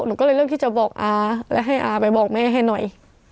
หนูก็เลยเลือกที่จะบอกอาและให้อาไปบอกแม่ให้หน่อย